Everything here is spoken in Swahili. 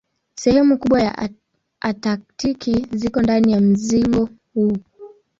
Sehemu kubwa ya Antaktiki ziko ndani ya mzingo huu.